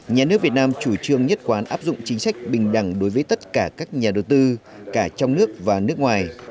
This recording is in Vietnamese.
nhà nước việt nam chủ trương nhất quán áp dụng chính sách bình đẳng đối với tất cả các nhà đầu tư cả trong nước và nước ngoài